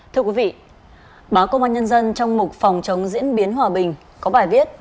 thưa quý vị báo công an nhân dân trong mục phòng chống diễn biến hòa bình có bài viết